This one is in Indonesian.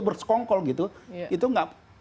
bersekongkol gitu itu nggak